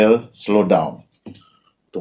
pada bulan kedua tahun dua ribu dua puluh